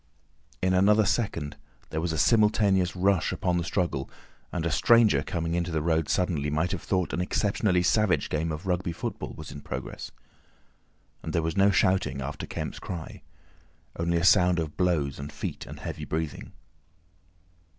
In another second there was a simultaneous rush upon the struggle, and a stranger coming into the road suddenly might have thought an exceptionally savage game of Rugby football was in progress. And there was no shouting after Kemp's cry—only a sound of blows and feet and heavy breathing.